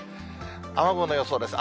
雨雲の予想です。